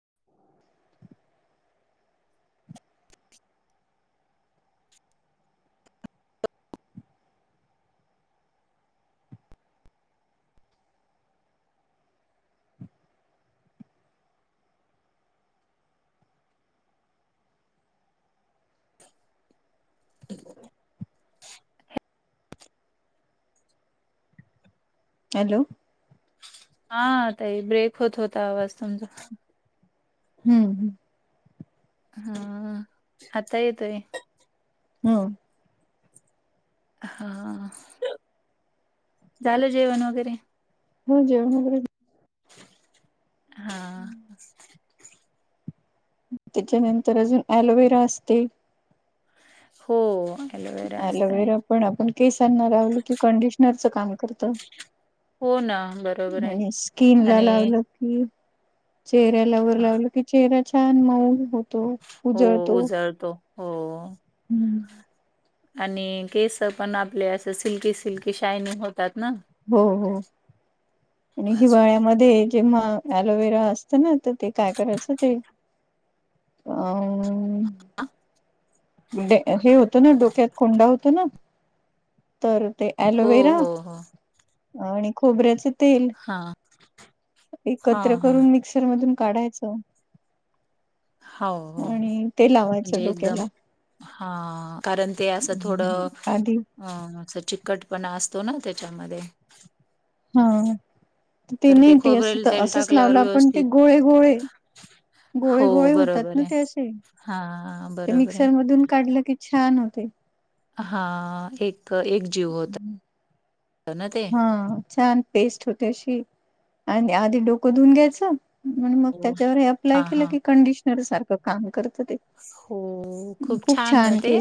[inaudible] [inaudible] Hello! हा ताई break होत होता आवाज तुमचा. हम्म हम आता येतोय. हम्म हा झालं जेवण वगैरे? हो जेवण वगैरे हा त्याच्यानंतर अजून अलोवेरा असते. हो एलोवेरा असतय अलोवेरा पण आपण केस आणणार आवल की कंडिशनरच काम करत. हो ना बरोबर आणि आहे स्कीिन ला आणि लावलं चेहऱ्याला वर लावल की चेहरा छान मऊन होतो उजळतो. तो हो हम्म आणि केस पण आपले असं सिल्की, सिल्की शायनिंग होतात ना? हम् हम् आणि अजून हिवाळ्यामध्ये जेव्हा अलोवेरा असत ना तर ते काय करायच हो ते अ हे होतं ना डोक्यात कोंडा होत ना तर ते हो अलोवेरा हो हो आणि खोबऱ्याच तेल हा हा एकत्र हा करून मिक्सर मधून काढायचं. हो हो आणि ते म्हणजे लावायचं एकदम डोक्याला. हा कारण ते असं थोडं आधी अ अस चिकट पण असतो ना त्याच्यामध्ये हा ते तर नट अस खोबरेल तेल असंच टाकल्यावर लावलं आपण ते व्यवस्थित गोळे गोळे गोळे हो गोळे होतात बरोबर ना आहे. ते असे हा ते बरोबर आहे. मिक्सर मधून काढलं की छानान हो्हते हा एक एक जीव होत ना ते. हा छान पेस्ट होते अशी आणि आधी डोकं धुऊून घ्यायचं मण मग हो त्याच्यावर अप्लाय हा केलं हा की कंडिशनर सारखं काम करत ते हो खूप छान ना ते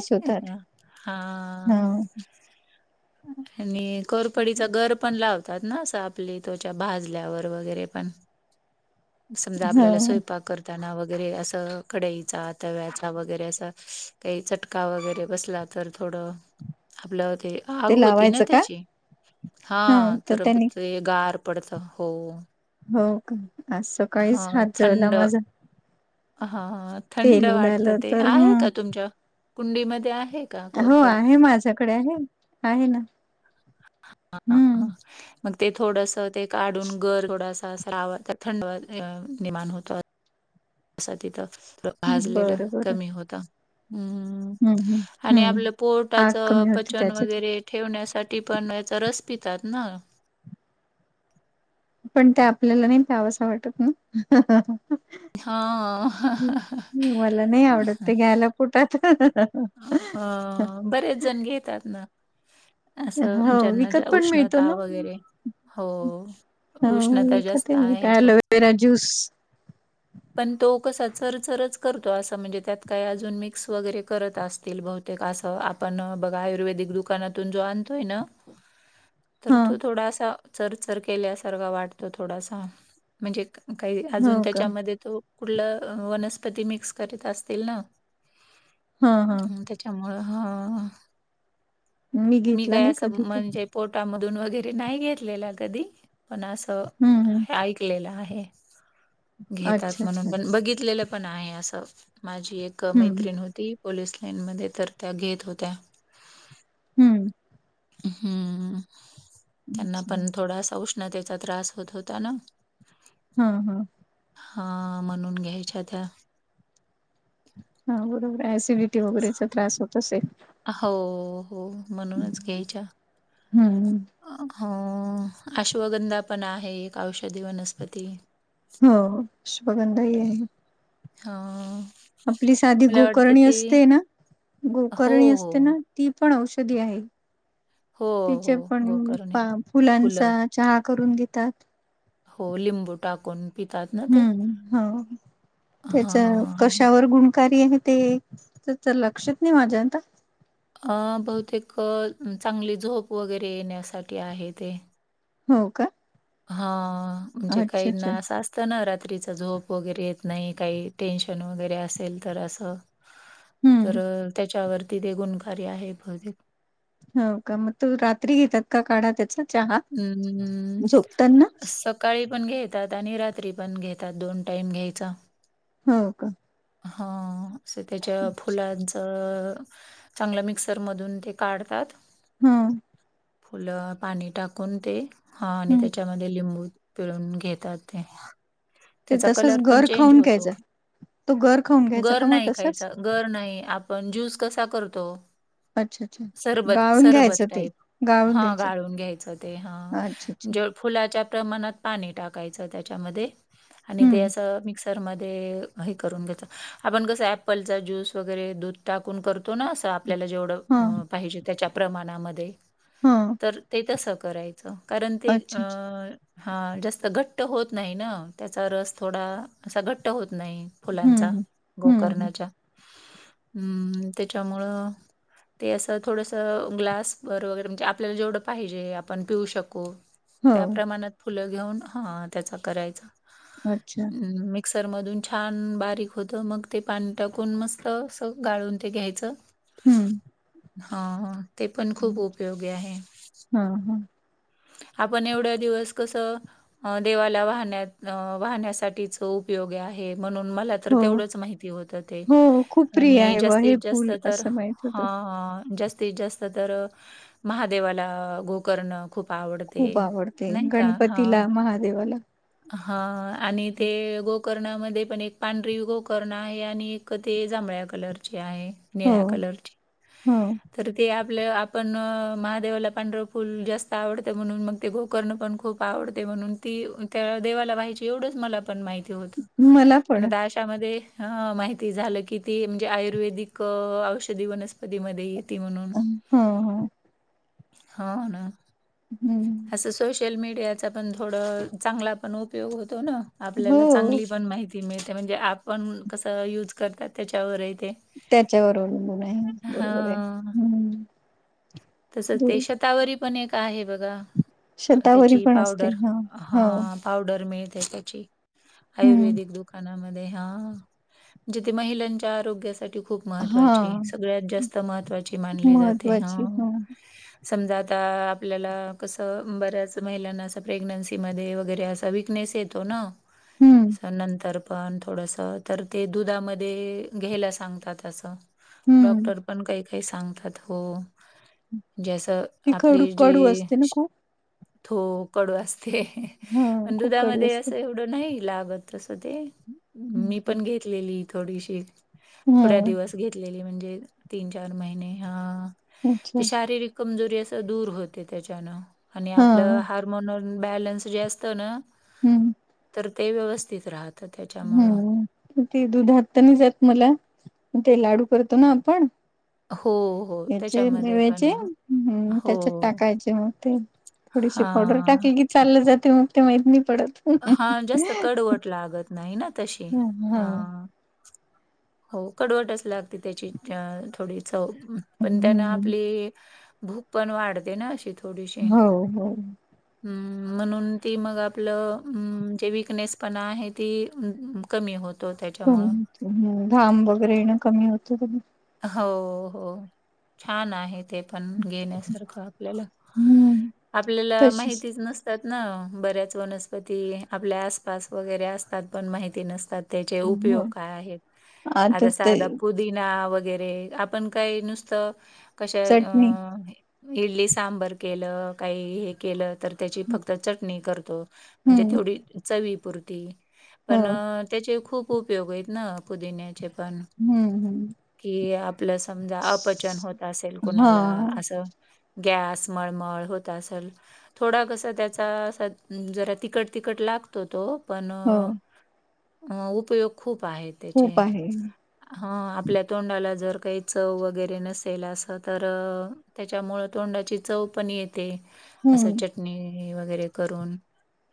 हा [unintelligible] आणि कोरपडीचा गर पण लावत. पितात ना असं आपली त्च्या भाजल्यावर वगैरे पण समजा ह आपल्याला स्वयंपाक कर ताना वगैरे असं कडईचा तव्याचा वगैरे असं काही चटका वगैरे बसला तर थोडं आपल्या ते आग होती ना लावायचं का त्याची हा ह तर त्यांनी ते गार पडत हो हो का आज सकाळीच हात जवला माझा हा थंड तेल वाटतं उडालं ते तर ह आहे. का तुमच्या कुंडीमध्ये आहे का हो कोरफड? आहे माझ्याकडे आहे आहे ना ह ह हम्म मग ते थोडस ते काढून घर थोडासा अस रावतात थंड निर्माण होतो. असं तिथं भाजलेलं बरं बरं कमी होत हम्म हम्म आणि हम्म आपलं आग पोटाच कमी होती पचन त्याच्यात वगैरे ठेवण्यासाठी पण या तर रस पितात ना पण ते आपल्याला नाही प्यावंसं वाटत ना हां. ह् मला नाही आवडत ते घ्यायला पोटात अ बरेच जण घेतात. ना असं हो ज्यांना विकत ज पण मिळतो उष्णता ना वगैरे हो उष्णता जास्त आहे. तो परा ज्यूस पण तो कसा चरचरच करतो. अस म्हणजे त्यात काय अजून मिक्स वगैरे करत असतील ब ते कासं आपण बघा आयुर्वेदिक दुकानातून जो आणतोय ना [unintelligible] तर तू थोडासा चरचर केल्यासारखा वाटत थोडासा म्हणजे काही अजून हो का त्याच्यामध्ये तो कुठला वनस्पती मिक्स करीत. असतील ना हा हा त्याच्यामुळे हा मी घेतला काय नाही असं कधी ते म्हणजे पोटामधून वगैरे नाही घेतलेला कधी पण असं हम्म हम्म ऐक टिकलेला आहे. अच्छा अच्छा म्हणण बघितलेलं पण आहे असं माझी एक हम्म मैत्रीण ती पोलीस लाईनमध्ये तर त्या घेत होत्या हम्म हम्म त्यांना अच्छा पण थोडासा उष्ण न त्याचा त्रास होत होता ना हा हा हा म्हणून घ्यायच्या त्या हा बरोबर ऍसिडिटी वगैरेचा त्रास होत. असेल हो हो म्हणूनच घ्यायच्या हम्म हो अश्वगंधा पण आहे. एक औषधी वनस्पती हो अश्वगंधा आहे हा आपली साधी गोकर्णी असते ना? हो, गोकर्णी हो. असते ना ती पण औषधी आहे. हो, हो. तिचे पण गोकर्णी. फुलांचा फुलं. चहा करून घेतात. हो लिंबू टाकून. पितात ना ते? हम्म हा त्याच्या हां. कशावर गुणकारी आहे. ते तर लक्षात नाही माझ्या आता. अ बहुतेक चांगली झोप वगैरे येण्यासाठी आहे ते. हो का? हा म्हणजे अच्छा काही अच्छा ना असं असतना रात्रीच झोप वगैरे येत नाही काही टेन्शन वगैरे असेल तर असं. हम्म. तर त्याच्यावरती ते गुणकारी आहे. हो का मग तो रात्री घेतात का काढा त्याचा? चहा हम्म झोपताना स काळी पण घेतात आणि रात्री पण घेतात दोन टाईम घ्यायचा. हो का? हा असे त्याच्या फुलांचं चांगल मिक्सर मधून ते काढतात. हम्म! फुलं पाणी टाकून ते हा आणि त्याच्यामध्ये लिंबू पिळून घेतात ते. ते त्याचा तसच कलर पण गर चेंज खाऊन होतो. ख्यायचं तो गर खाऊन घ्यायचा गर का मग नाही तसाच? खायचा गर नाही आपण ज्यूस कसा करतो! अच्छा अच्छा सबत गाळून सरबत घ्यायचं ते टाईप गाळून हा घ्यायचं गाळून घ्यायचं ते. अच्छा अच्छा फुलाच्या प्रमाणात पाणी टाकायचं त्याच्यामध्ये आणि ते हम्म. अस मिक्स क्सरमध्ये करून घ्या आपन कस एप्पल चा ज्यूस दूध टाकून करतो ना आस आपल्याला हा जेवढं पाहिजे त्याच्या प्रमाणामध्ये हा तर ते तसं करायच. कारण ते अच्छा अच्छा हा जास्त घट्ट होत नाही ना त्याचा रस थोडा असा घट्ट होत नाही. हम्म फुलांचा, हम्म. हम्म हम्म गोकर्णाच्या त्याच्यामुळं ते असं थोडसं ग्लास वर वगैरे म्हणजे आपल्याला जेवढं पाहिजे आपण पिऊ शकू त्या हो प्रमाणात फुलं घेऊन हा त्याचा करायचा. अच्छा! हम्म मिक्सर मधून छान बारीक होत मग ते पाणी टाकून मस्त अस गाळून ते घ्यायचं. हम्म. हा ते पण खूप उपयोगी आहे. हा हा! आपण एवढ्या दिवस कसं अ देवाला वाहण्यात वाहण्यासाठीच उपयोगी आहे म्हणून मला तर हो तेवढंच माहिती होतं ते. हो खूप प्रिय आणि आहे ब हे जास्तीत जास्त फुल तर असं माहित होतं. हा जास्तीत जास्त महादेवाला गोकर्ण खूप आवडते, खूप आवडते गणपतीला, महादेवाला हा आणि ते गोकर्णामध्ये पण एक पांढरी गोकर्ण आहे आणि एक ते जांभळ्या कलरची आहे. हो निळ्या कलरची हो तर ते आपल्या आपण महादेवाला पांढरव फुल जास्त आवडतं म्हणून मग ते गोकर्ण पण खूप आवडते म्हणून ती त्या देवाला पाहायची एवढंच मला पण माहिती होत. मला पण त्यामध्ये माहिती झालं की ती म्हणजे आयुर्वेदिक औषधी वनस्पतीमध्येही येती म्हणून हो हो हा ना. हम्मं असं सोशल मीडियांचा पणं थोडं चांगला पणं उप उपयोगं होतो नां आपल्यांला हो चांगली पणं माहिती ती मिळतें म्हणजे आपणं कसं यूज करतांत त्यांच्यावरही ते त्यांच्यावर अवलंबून आहे बरोबर आहे हां, हम्मं हतांवरी पणं एक आहे बघां शतांवरी पणं असते हं होव हां, पावडर मिळते त्यांची हम्म आयुर्वेदिक दुकानांमध्ये हां जिथे महिलांच्या आरोग्यांसांठी खूंप हा महत्त्वांची सगळ्यांत जास्तं महत्त्वांची मानली जाते महत्वाची हं ह समजां आता आपल्यांला कसं बऱ्यांच महिलांना असं प्रेग्नन्सीमंध्ये वगैरें असां विकनेस येतों नां हम्म नंतर पणं थोडंसं तरं ते दुधामंध्ये घ्यांयला सांगतात असं हम्म डॉक्टर पणं कांहीं कांहीं सांगतात हो जसं ती खडू आपलीं कडू असते जी ना खूप हो कडूं असतें हा पणं खूप कडू दुधामंध्ये असते असं एवढं दडाई नाहीं लागतं तसं ते मी पणं घेतलेली थोडीशी थोड्यां हा दिवस घेतलेली म्हणजे तीन चार महिने हां अच्छा ती शारीरिक कमजोरी असं दूर होते त्यांच्यानं आणि हा आपलं हार्मोन्स बॅलन्स जे असतं नां हम्मं ते व्यवस्थितं राहतं त्याच्यामुळं. हम्मं ते दुधांत तरं नाहीं जातं मला ते लांडू करतों नां आपणं हो, हो. यांचे त्याच्यामध्ये पण मेव्यांचे हम्मं हो. त्यांच्यात टाकांयचे मंग ते थोडीशी पावडर हां. टाकली की चाललं जाते मंग ते माहीत नाहीं पडतं हां जास्तं कडवंट लागतं नाहीं नां तशी हा हां हो कडवंटच लागते त्यांची थोडी चव पणं त्यांन हम्म आपलीं भूकं पणं वाढते नां अशी थोडीशी हो हो हम्मं म्हणून ती मंग आपलं जे विकनेस पणं आहे ती कमी होतों त्यांच्या मुळं हम्मं घांम वगैरें येणं कमी होतं तेच्यानं हो हो छान आहे ते पणं घेण्यांसारख आपल्यांला हम्म आपल्यांला तशीच माहितीचं नसतं त्यांत नां बऱ्यांच वनस्पंती आपल्या आसपास वगैरें असतांत पणं माहिती नसतांत त्यांचें उपयोग हो कायं आहेतं आता सांधा पुदिना वगैरें वगैरें आपणं कांहीं नुस्तं कश चटणी इडली सांबर केलं कांहीं हे केलं तरं त्यांची फक्तं चटणी करतों म्हणजे हम्म तेवढी चवीपुरती हो पणं त्यांचे खूंप उपयोग आहेतं नां पुदिन्यांचे पणं हम्मं हम्मं कि आपलं समजां अपचन होतं असेल हा कुणांला असं गॅस मळमळ होतं असेल थोडां कसां त्यांचा असां जरा तिखंट तिखंट लागतो तो पणं हो अ उपयोग खूंप आहे त्यांचे खूप आहे हं आपल्यां तोंडाला जरं कांहीं चव वगैरें नसेल असं तरं त्यांच्या मुळं तोंडाची चव पणं येते येते असं हम्म चटणी वगैरें करूंन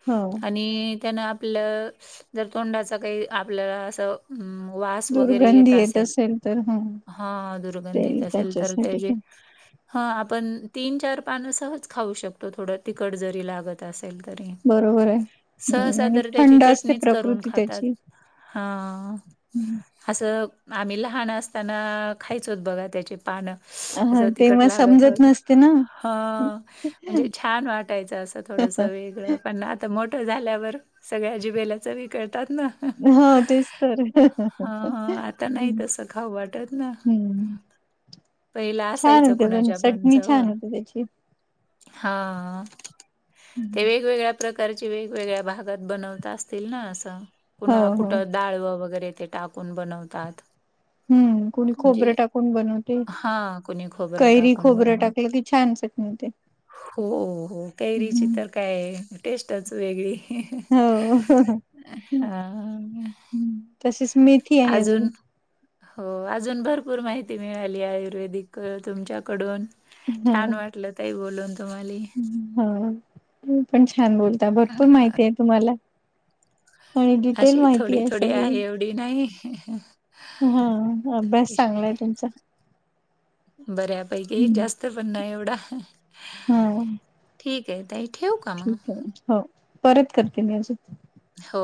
हो आणि त्यांनं आपलं जर तोंडाचा कांहीं आपल्यांला असं अं, वास दुर्गंधी येतं असेल तर हं हा दुर्गंधीेत असेल तरर तेजे ह आपण तीन चार पानं सहज खाऊ शकतो थोडं तिखट जरी लागत बरोबर आहे. हम्म आणि सहसादर त्याची थंड असते चटणीच करून प्रकृती खातात त्याची हा असं आम्हीला खहान असताना खायचंत बघा त्याची पानं हा तेव्हा समजत नसते ना ह म्हणजे छान वाटायचं असं थोडंसं वेगळं पण आता मोठं झाल्यावर सगळ्या अजिबेलच तरी करतात ना. हो तेच तर हा, हा आता नाहीत असल. खाऊ वाटत ना हम्म पहिलं छान असायचं होते पण कुणाच्या चटणी जवळ. छान होते त्याची हा ते हो वेगवेगळ्या प्रकारची वेगवेगळ्या भागात बनवता असतील ना असं कुणा हो कुठं डाळव वगरे ते टाकून बनवतात हम्म कुणी म्हणजे खोबरं टाकून बनवते हा कोणी खोबरं कैरी टाकून खोबरं बनवत. टाकलं की छान च [inaudible] हो हो कैरीची तर काय टेस्टच वेगळी हो हा हम्म. तशीच मेथी आहे आजुन अजून हो अजून भरपूर माहिती मिळाली आयुर्वेदिक तुमच्याकडून हा छान वाटलं तई बोलून तुम्हाला हा त पण छान बोलता भरपूर माइतीय तुम्हाला आणि डिटेल माहितीय सगळी [unintelligible] नइ हा अभ्यास चांगलाय तुमचा बऱ्यापैकी हम्म. जास्त पण नाइ एवडा ठिकेय ताई ठिवू का ठीकेय हो परत करते मी अजून हो